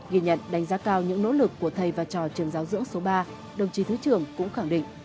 ghi nhận đánh giá cao những nỗ lực của thầy và trò trường giáo dưỡng số ba đồng chí thứ trưởng cũng khẳng định